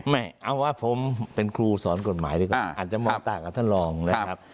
ไม่เอาว่าผมเป็นครูสอนกฎหมายดีกว่าอาจจะมองต่างกับท่านรองนะครับ